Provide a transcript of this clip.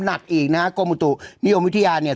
หลัดอีกนะครับโกมุตุนิยมวิทยาเนี่ย